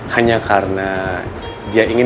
hanya karena dia ingin